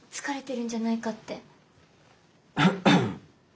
疲れてるんじゃないかって。